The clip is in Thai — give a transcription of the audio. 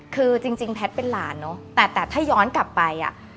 คือจริงแพทย์เป็นหลานเนอะแต่แต่ถ้าย้อนกลับไปอ่ะ